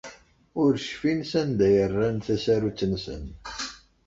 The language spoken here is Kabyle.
Ur cfin sanda ay rran tasarut-nsen.